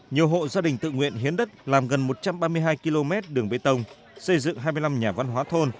nhiều hộ gia đình tự nguyện hiến đất làm gần một trăm ba mươi hai km đường bê tông xây dựng hai mươi năm nhà văn hóa thôn